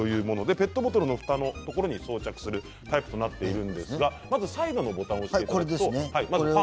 ペットボトルのふたのところに装着するタイプとなっているんですがサイドのボタンを押してください。